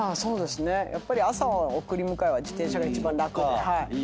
やっぱり朝は送り迎えは自転車が一番楽で。